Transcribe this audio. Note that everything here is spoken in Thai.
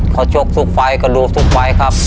ข้อโชคทุกฝ่ายกระดูกทุกฝ่ายครับ